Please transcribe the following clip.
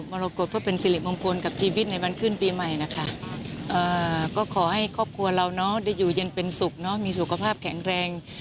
รกฏเพื่อเป็นสิริมงคลกับชีวิตในวันขึ้นปีใหม่นะคะก็ขอให้ครอบครัวเราได้อยู่เย็นเป็นสุขเนอะมีสุขภาพแข็งแรง